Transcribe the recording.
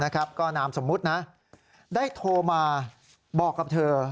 ก็นามสมมุตินะได้โทรมาบอกกับเธอ